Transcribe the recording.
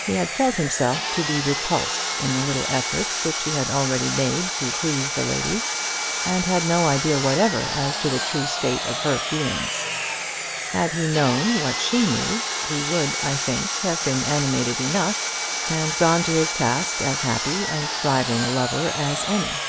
He had felt himself to be repulsed in the little efforts which he had already made to please the lady, and had no idea whatever as to the true state of her feelings. Had he known what she knew, he would, I think, have been animated enough, and gone to his task as happy and thriving a lover as any.